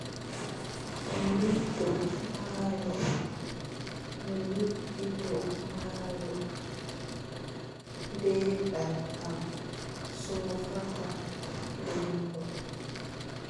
Mi widdoo maayo, mi widditoo maayo, deɗel am soofataa, mbeelu !